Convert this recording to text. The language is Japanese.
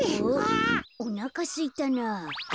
おなかすいたなあ。